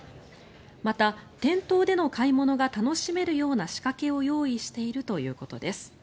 また店頭での買い物が楽しめるような仕掛けを用意しているということです。